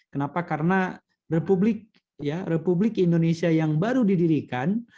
kenapa karena republik indonesia yang baru didirikan